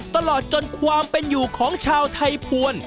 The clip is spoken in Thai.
ตลอดจนความเป็นอยู่ของชาวไทยภวร